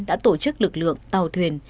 đã tổ chức lực lượng tàu thuyền